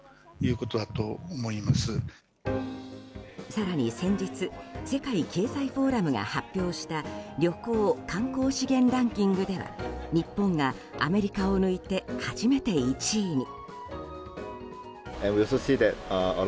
更に先日世界経済フォーラムが発表した旅行・観光資源ランキングでは日本がアメリカを抜いて初めて１位に。